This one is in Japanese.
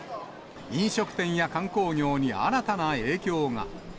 飲食店や観光業に新たな影響が。